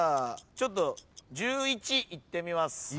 ちょっと１１いってみます。